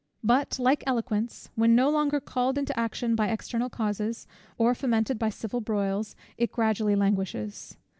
But like eloquence, when no longer called into action by external causes, or fomented by civil broils, it gradually languishes.